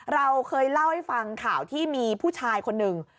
เราเคยเล่าให้ฟังข่าวที่มีผู้ชายคนหนึ่ง